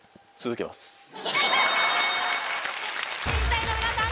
審査員の皆さん